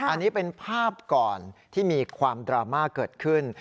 อันนี้เป็นภาพก่อนที่มีความดราม่าเกิดขึ้น